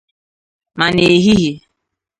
ma n'ehihie